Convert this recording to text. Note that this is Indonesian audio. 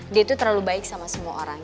dia itu terlalu baik sama semua orang